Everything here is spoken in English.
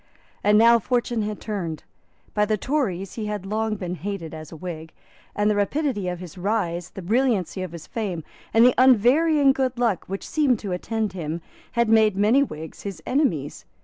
And now fortune had turned. By the Tories he had long been hated as a Whig; and the rapidity of his rise, the brilliancy of his fame, and the unvarying good luck which seemed to attend him, had made many Whigs his enemies.